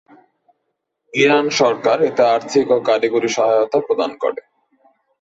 Iran সরকার এতে আর্থিক ও কারিগরি সহায়তা প্রদান করে।